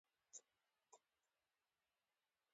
ټولې ژبې باید خپل حق ترلاسه کړي